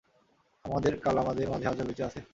আমাদের কাল আমাদের মাঝে আজও বেঁচে আছে।